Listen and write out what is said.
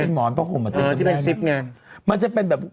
ที่เป็นซิปเนี่ย